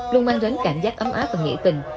luôn mang đến cảm giác ấm áp và nghĩa tình